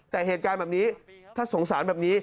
แต่เหตุการณ์แบบนี้ถ้าสงสารแบบนี้